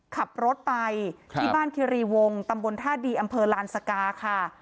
ขับรถไปที่บ้านคิรีวงตำบลท่าดีอำเภอลานสกาค่ะ